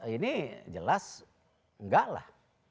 ini jelas enggak lah